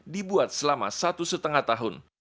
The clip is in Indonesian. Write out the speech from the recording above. dibuat selama satu lima tahun